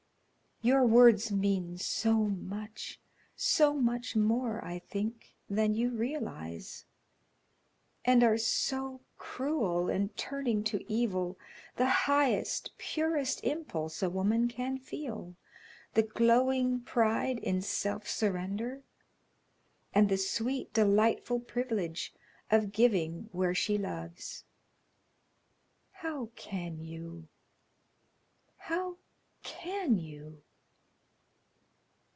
Your words mean so much so much more, I think, than you realize and are so cruel in turning to evil the highest, purest impulse a woman can feel the glowing pride in self surrender, and the sweet, delightful privilege of giving where she loves. How can you? How can you?"